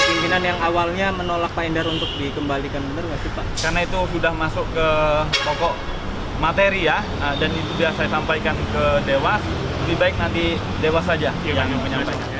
saya sampaikan ke dewas lebih baik nanti dewas saja yang menyampaikan